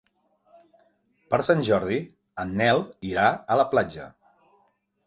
Per Sant Jordi en Nel irà a la platja.